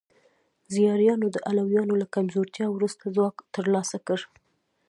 زیاریانو د علویانو له کمزورتیا وروسته ځواک ترلاسه کړ.